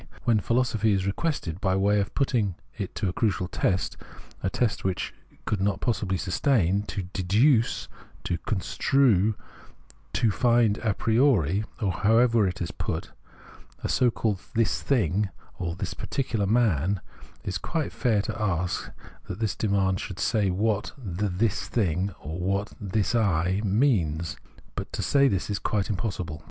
When philosophy is requested, by way of putting it to a crucial test — a test which it could not pqssibly sustain — to " deduce," to " construe," " to find a priori," or however it is put, a so called this thing, or this particular man,'* it is quite fair to ask that this demand should say what " this thing," or what " this I " it means : but to say this is quite impossible.